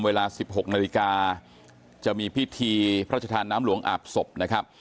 เวลา๑๖นาฬิกาจะมีพิธีพระชธานน้ำหลวงอาบศพนะครับ